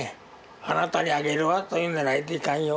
あなたにあげるわというんじゃないといかんよ。